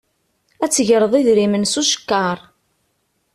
Ad d-tegreḍ idrimen s ucekkaṛ.